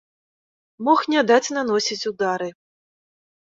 Мог не даць наносіць удары.